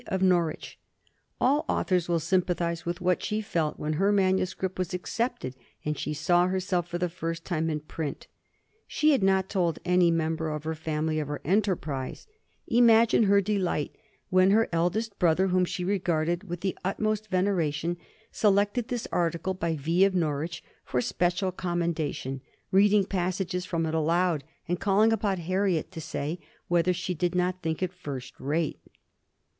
of Norwich"; all authors will sympathise with what she felt when her manuscript was accepted, and she saw herself for the first time in print. She had not told any member of her family of her enterprise. Imagine therefore her delight when her eldest brother, whom she regarded with the utmost veneration, selected this article by V. of Norwich for special commendation, reading passages from it aloud, and calling upon Harriet to say whether she did not think it first rate.